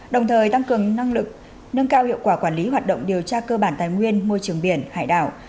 đồng thời tăng cường năng lực nâng cao hiệu quả quản lý hoạt động điều tra cơ bản tài nguyên môi trường biển hải đảo